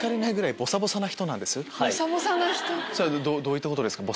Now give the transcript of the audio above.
どういったことですか？